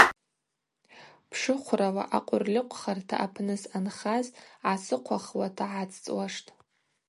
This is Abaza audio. Пшыхврала акъвырльыкъвхарта апны съанхаз гӏасыхъвахуата гӏацӏцӏуаштӏ.